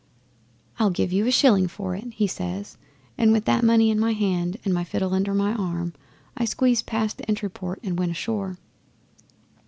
"I'll give you a shilling for it," he says, and with that money in my hand and my fiddle under my arm I squeezed past the entry port and went ashore.